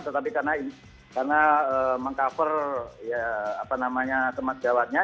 tetapi karena meng cover teman sejawatnya